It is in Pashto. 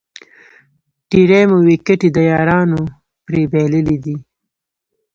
ډېرې مو وېکټې د یارانو پرې بایللې دي